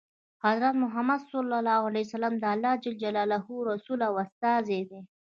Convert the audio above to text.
حضرت محمد ﷺ د الله ﷻ رسول او استازی دی.